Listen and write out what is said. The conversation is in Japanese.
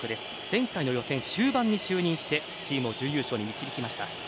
前回の予選、終盤に就任してチームを準優勝に導きました。